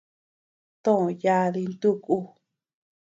Too yadi ntu ku.